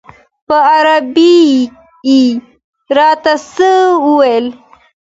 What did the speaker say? په عربي یې راته څه وویل.